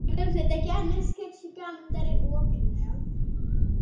Aranžování květin rozlišuje typy věnce podle způsobu tvorby.